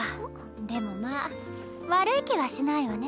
でもまあ悪い気はしないわね。